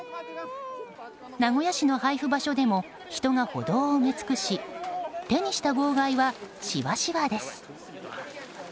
名古屋市の配布場所でも人が歩道を埋め尽くし手にした号外は、しわしわです。